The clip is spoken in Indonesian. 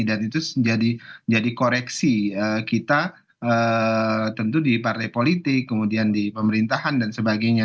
dan itu jadi koreksi kita tentu di partai politik kemudian di pemerintahan dan sebagainya